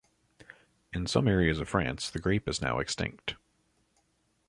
In some areas of France the grape is now extinct.